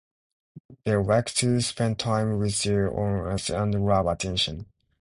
They like to spend time with their owners and love attention.